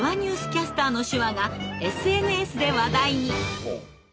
キャスターの手話がＳＮＳで話題に。